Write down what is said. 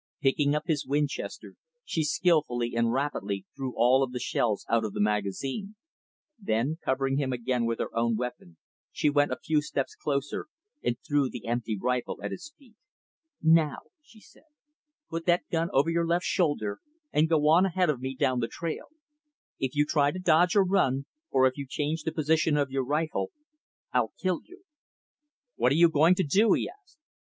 Picking up his Winchester, she skillfully and rapidly threw all of the shells out of the magazine. Then, covering him again with her own weapon, she went a few steps closer and threw the empty rifle at his feet. "Now," she said, "put that gun over your left shoulder, and go on ahead of me down the trail. If you try to dodge or run, or if you change the position of your rifle, I'll kill you." "What are you going to do?" he asked.